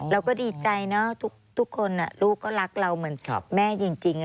เราก็ดีใจเนอะทุกคนลูกก็รักเราเหมือนแม่จริง